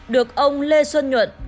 được ông lê xuân nhuận